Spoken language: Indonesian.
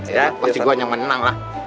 iya pasti gue yang menang lah